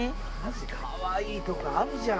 かわいいとこあるじゃん。